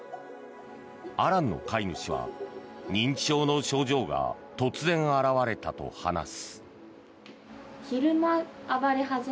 アランの飼い主は認知症の症状が突然表れたと話す。